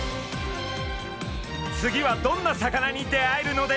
次はどんな魚に出会えるのでしょうか？